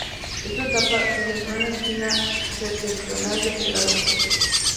Esta etapa se centró en la esquina septentrional del poblado.